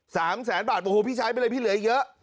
๓แสนบาทบอกว่าพี่ใช้ไปเลยพี่เหลือเยอะ